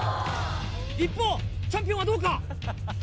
一方チャンピオンはどうか？